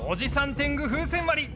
天狗風船割り。